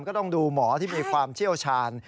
ก็ต้องดูหมอที่มีความเชี่ยวชาญ